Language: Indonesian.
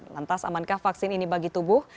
lantas amankah vaksin ini bagi tubuh